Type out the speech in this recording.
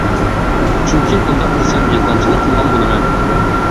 چۈنكى ئۇنداق دېسەم يالغانچىلىق قىلغان بولىمەن.